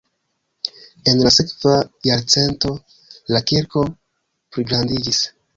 En la sekva jarcento la kirko pligrandiĝis.